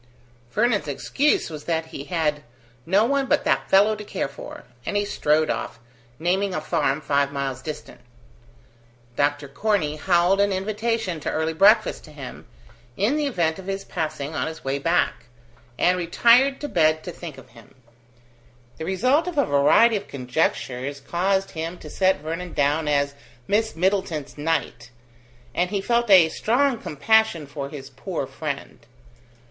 Vernon's excuse was that he had "no one but that fellow to care for", and he strode off, naming a farm five miles distant. Dr. Corney howled an invitation to early breakfast to him, in the event of his passing on his way back, and retired to bed to think of him. The result of a variety of conjectures caused him to set Vernon down as Miss Middleton's knight, and he felt a strong compassion for his poor friend.